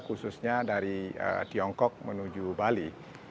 khususnya dari tiongkok menuju bali